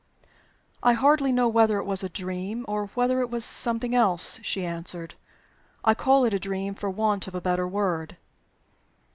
"I hardly know whether it was a dream or whether it was something else," she answered. "I call it a dream for want of a better word."